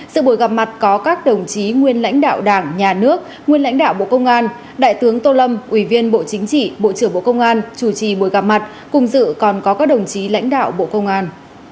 sự buổi gặp mặt có các đồng chí nguyên lãnh đạo đảng nhà nước nguyên lãnh đạo bộ công an đại tướng tô lâm ủy viên bộ chính trị bộ trưởng bộ công an chủ trì buổi gặp mặt cùng dự còn có các đồng chí lãnh đạo bộ công an